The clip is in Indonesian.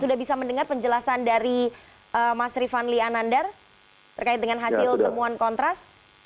sudah bisa mendengar penjelasan dari mas rifanli anandar terkait dengan hasil temuan kontras